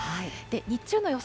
日中の予想